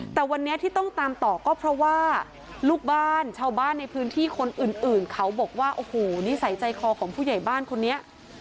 แต่วันนี้ที่ต้องตามต่อก็เพราะว่าลูกบ้านชาวบ้านในพื้นที่คนอื่นเขาบอกว่าโอ้โหนิสัยใจคอของผู้ใหญ่บ้านคนนี้